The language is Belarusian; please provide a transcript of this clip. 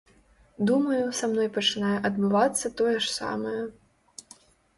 Думаю, са мной пачынае адбывацца тое ж самае.